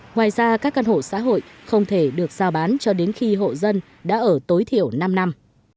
ngoài ra các căn hộ xã hội không thể được giao bán cho đến khi hộ dân đã ở tối thiểu năm năm